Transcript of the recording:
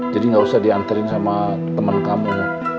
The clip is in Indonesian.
jadi gak usah dianterin sama temen kamu